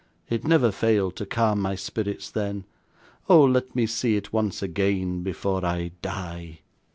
It never failed to calm my spirits then. Oh! let me see it once again before I die!"